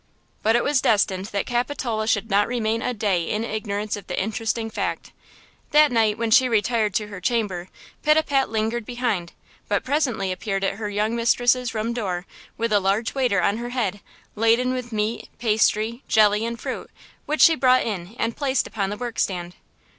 But it was destined that Capitola should not remain a day in ignorance of the interesting fact. That night, when she retired to her chamber, Pitapat lingered behind, but presently appeared at her young mistress's room door with a large waiter on her head, laden with meat, pastry, jelly and fruit, which she brought in and placed upon the work stand.